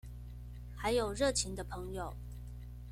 還有熱情的朋友